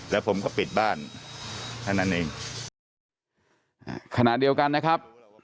แล้วผมก็ปิดบ้านแค่นั้นเองขณะเดียวกันนะครับ